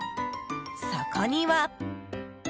そこには。